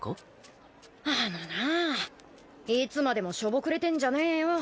あのなぁいつまでもしょぼくれてんじゃねえよ。